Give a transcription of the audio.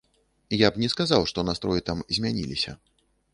Я б не сказаў, што настроі там змяніліся.